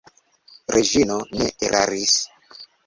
Reĝino ne eraris.